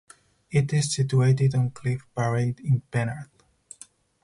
It is situated on Cliff Parade in Penarth.